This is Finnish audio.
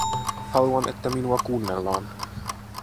Haluan, että minua kuunnellaan.